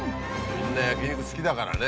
みんな焼き肉好きだからね。